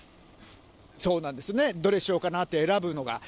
そうなんですよね、どれしようかなと選ぶのが。